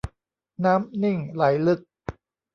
น้ำนิ่งไหลลึก